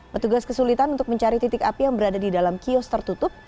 petugas kesulitan untuk mencari titik api yang berada di dalam kios tertutup